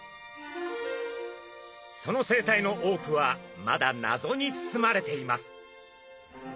その生態の多くはまだ謎に包まれています。